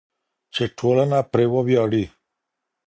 چې ټولنه پرې وویاړي.